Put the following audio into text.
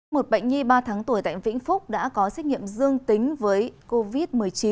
một bệnh nhi ba tháng tuổi tại vĩnh phúc đã có xét nghiệm dương tính với covid một mươi chín